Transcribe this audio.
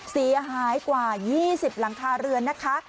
เสียหายกว่า๒๐หลังคาเรือนนะคะ